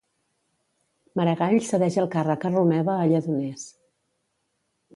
Maragall cedeix el càrrec a Romeva a Lledoners.